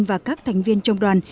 và các thành viên trong đoàn